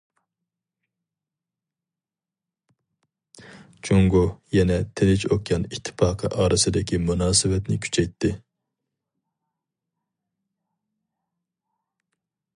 جۇڭگو يەنە تىنچ ئوكيان ئىتتىپاقى ئارىسىدىكى مۇناسىۋەتنى كۈچەيتتى.